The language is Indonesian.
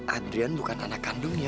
adrian bukan anak kandung ya